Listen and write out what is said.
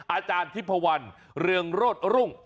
อาจารย์ที่ผวัลเรืองรหดรุ่ง